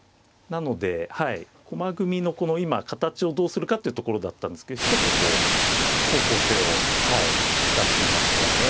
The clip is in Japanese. なので駒組みのこの今形をどうするかっていうところだったんですけど一つこう方向性を出しましたね。